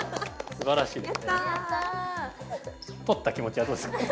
取った気持ちはどうですか？